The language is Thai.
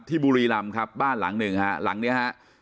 บุรีรำครับบ้านหลังหนึ่งฮะหลังเนี้ยฮะ